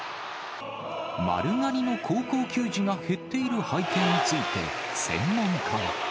丸刈りの高校球児が減っている背景について、専門家は。